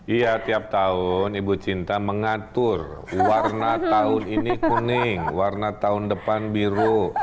iya tiap tahun ibu cinta mengatur warna tahun ini kuning warna tahun depan biru